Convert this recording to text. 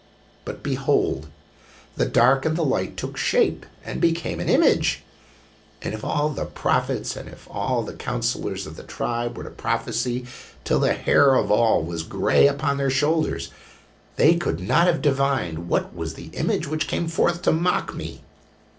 But behold, the dark and the light took shape and became an image ! And if all the prophets and if all the counselors of the tribe were to prophesy till the hair of all was gray upon their shoulders, they could not have divined what was the image which came forth to mock me